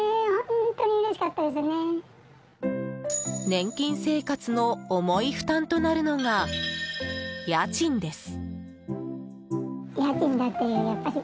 年金生活の重い負担となるのが家賃です。